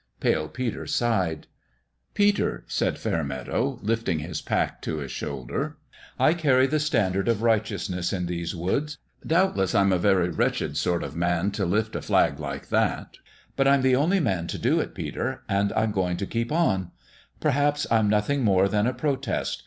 Pale Peter sighed. " Peter," said Fairmeadow, lifting his pack to his shoulder, " I carry the standard of righteous ness in these woods. Doubtless I'm a very wretched sort of man to lift a flag like that. But I'm the only man to do it, Peter, and I'm going to keep on. Perhaps I'm nothing more than a protest.